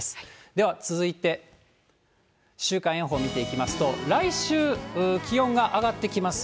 では続いて、週間予報見ていきますと、来週、気温が上がってきます。